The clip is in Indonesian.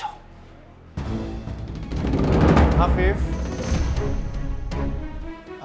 apa kamu sudah bawa